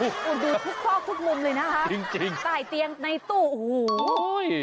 ดูทุกข้อทุกมุมเลยนะฮะใส่เตียงในตู้โอ้โฮ